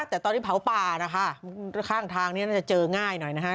แต่ตอนที่เผาป่านะคะข้างทางนี้น่าจะเจอง่ายหน่อยนะคะ